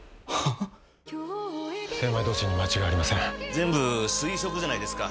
全部推測じゃないですか。